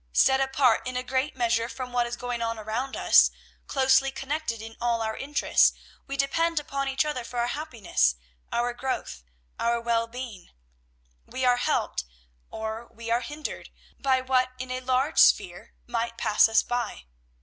Set apart in a great measure from what is going on around us, closely connected in all our interests, we depend upon each other for our happiness, our growth, our well being. We are helped, or we are hindered, by what in a large sphere might pass us by.